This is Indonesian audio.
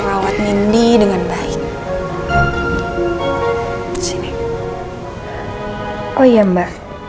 sama rekan saya ya